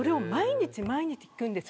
毎日聞くんです